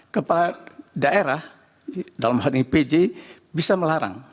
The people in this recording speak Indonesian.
kepala daerah dalam hal ini pj bisa melarang